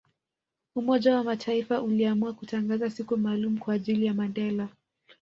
Umoja wa mataifa uliamua kutangaza siku maalumu Kwa ajili ya Mandela